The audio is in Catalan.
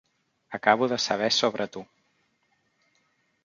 Acabo de saber sobre tu.